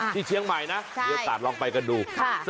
ที่เชียงใหม่นะเดี๋ยวตามลองไปกันดู